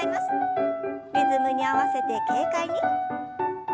リズムに合わせて軽快に。